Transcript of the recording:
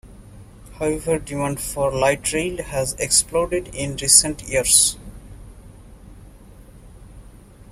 However, demand for light rail has exploded in recent years.